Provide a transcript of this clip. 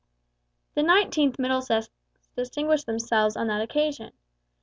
The 49th Middlesex distinguished themselves on that occasion.